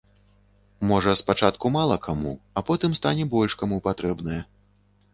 Можа, спачатку мала каму, а потым стане больш каму патрэбнае.